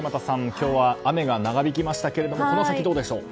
今日は雨が長引きましたけれどもこの先、どうでしょう。